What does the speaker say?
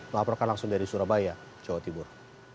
wabarkan langsung dari surabaya jawa tibur